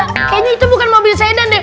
kayaknya itu bukan mobil sedan deh